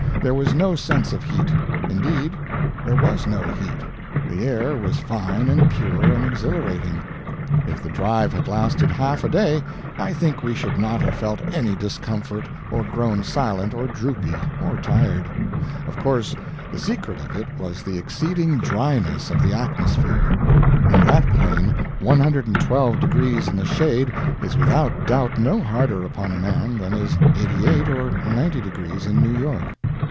There was no sense of heat; indeed, there was no heat; the air was fine and pure and exhilarating; if the drive had lasted half a day I think we should not have felt any discomfort, or grown silent or droopy or tired. Of course, the secret of it was the exceeding dryness of the atmosphere. In that plain 112 deg. in the shade is without doubt no harder upon a man than is 88 or 90 deg. in New York.